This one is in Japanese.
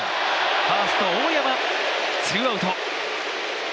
ファースト・大山ツーアウト。